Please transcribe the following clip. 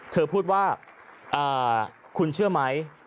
เธอพูดว่าคุณเชื่อไหม